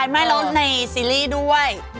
ไม่แล้วในซีรีส์ด้วย